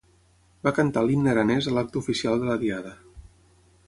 Va cantar l'himne aranès a l'acte oficial de la Diada.